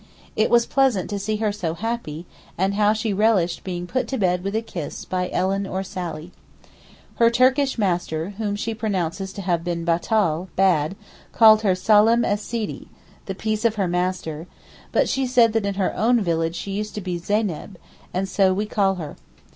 It was pleasant to see her so happy, and how she relished being 'put to bed' with a kiss by Ellen or Sally. Her Turkish master, whom she pronounces to have been batal (bad), called her Salaam es Sidi (the Peace of her Master); but she said that in her own village she used to be Zeyneb, and so we call her.